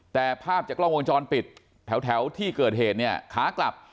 แต่ภาพจากกล้องวงจรปิดแถวที่เกิดเหตุเนี่ยขากลับ